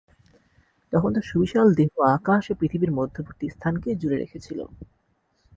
তখন তাঁর সুবিশাল দেহ আকাশ ও পৃথিবীর মধ্যবর্তী স্থানকে জুড়ে রেখেছিল।